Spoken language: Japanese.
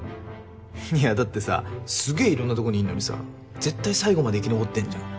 いやだってさすげぇいろんなとこにいんのにさ絶対最後まで生き残ってんじゃん。